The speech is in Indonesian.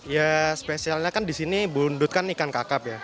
ya spesialnya kan di sini bundut kan ikan kakap ya